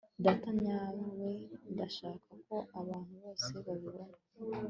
data nyawe ndashaka ko abantu bose babibona